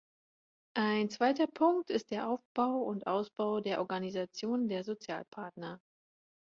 Ein zweiter Punkt ist der Aufbau und Ausbau der Organisationen der Sozialpartner.